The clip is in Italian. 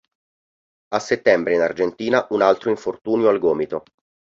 A settembre in Argentina un altro infortunio al gomito.